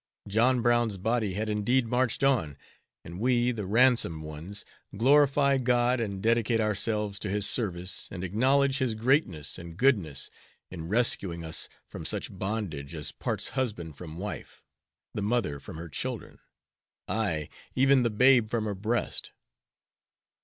John Brown's body had indeed marched on, and we, the ransomed ones, glorify God and dedicate ourselves to His service, and acknowledge His greatness and goodness in rescuing us from such bondage as parts husband from wife, the mother from her children, aye, even the babe from her breast!